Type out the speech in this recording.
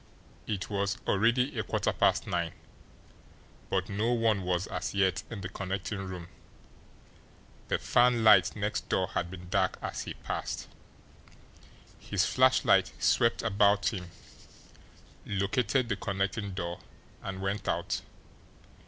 It was already a quarter past nine, but no one was as yet in the connecting room the fanlight next door had been dark as he passed. His flashlight swept about him, located the connecting door and went out.